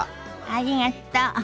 ありがと。